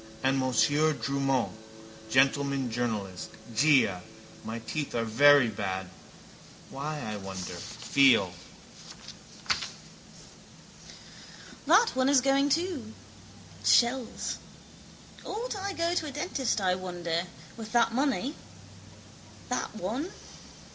And Monsieur Drumont, gentleman journalist. Già. My teeth are very bad. Why, I wonder. Feel. That one is going too. Shells. Ought I go to a dentist, I wonder, with that money? That one.